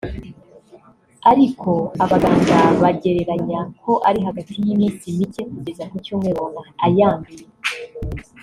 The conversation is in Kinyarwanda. ariko abaganga bagereranya ko ari hagati y’iminsi mike kugeza ku cyumweru umuntu ayanduye